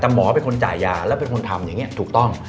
แต่หมอเป็นคนจ่ายยาแล้วเป็นคนทำอย่างนี้ถูกต้อง